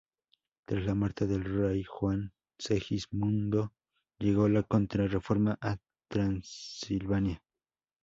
Tras la muerte del rey Juan Segismundo llegó la Contrarreforma a Transilvania.